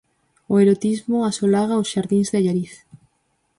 'O erotismo asolaga os xardíns de Allariz'.